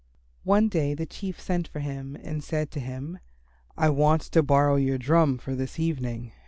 One day the Chief sent for him and said to him, "I want to borrow your drum for this evening.